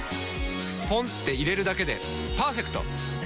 ポンって入れるだけでパーフェクト！